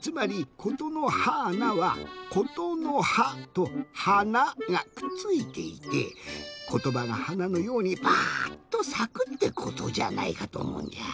つまり「ことのはーな」は「ことのは」と「はな」がくっついていてことばがはなのようにバッとさくってことじゃないかとおもうんじゃ。